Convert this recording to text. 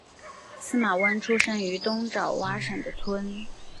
司马温出生于东爪哇省的村。